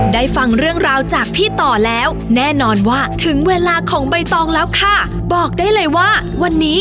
ได้ฟังเรื่องราวจากพี่ต่อแล้วแน่นอนว่าถึงเวลาของใบตองแล้วค่ะ